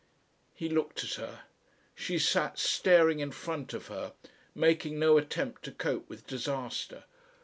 He looked at her. She sat staring in front of her, making no attempt to cope with disaster.